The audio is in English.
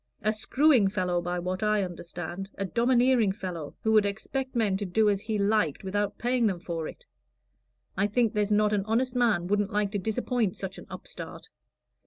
"A screwing fellow, by what I understand a domineering fellow who would expect men to do as he liked without paying them for it. I think there's not an honest man wouldn't like to disappoint such an upstart."